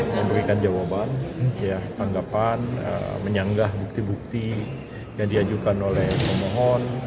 memberikan jawaban tanggapan menyanggah bukti bukti yang diajukan oleh pemohon